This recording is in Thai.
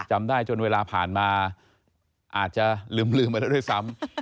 จำได้จนเวลาผ่านมาอาจจะลืมไปแล้วด้วยซ้ำ